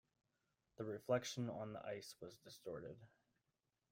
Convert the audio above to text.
The reflection on the ice was distorted.